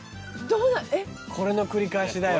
これの繰り返しだよ。